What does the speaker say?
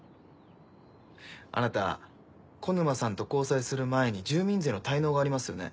あなた小沼さんと交際する前に住民税の滞納がありますよね。